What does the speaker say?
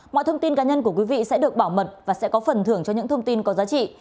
mọi thông tin cá nhân của quý vị sẽ được bảo mật và sẽ có phần thưởng cho những thông tin có giá trị